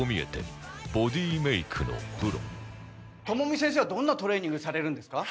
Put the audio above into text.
朋美先生はどんなトレーニングされるんですか？